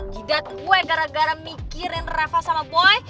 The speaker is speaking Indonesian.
gidat gue gara gara mikirin reva sama boy